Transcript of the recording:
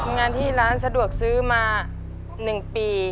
งานที่ร้านสะดวกซื้อมา๑ปี